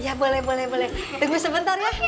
ya boleh boleh tunggu sebentar ya